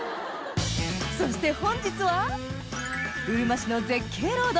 そして本日はうるま市の絶景ロード